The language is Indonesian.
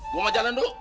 gue mau jalan dulu